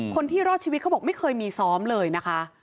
คนที่รอดชีวิตเขาบอกไม่เคยมีซ้อมเลยนะคะ